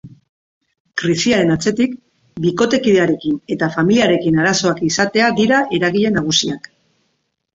Krisiaren atzetik, bikotekidearekin eta familiarekin arazoak izatea dira eragile nagusiak.